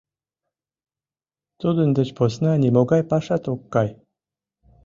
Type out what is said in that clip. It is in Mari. Тудын деч посна нимогай пашат ок кай.